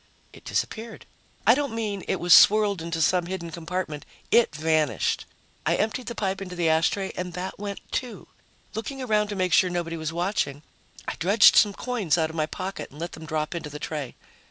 It disappeared. I don't mean it was swirled into some hidden compartment. It vanished. I emptied the pipe into the ashtray and that went, too. Looking around to make sure nobody was watching, I dredged some coins out of my pocket and let them drop into the tray.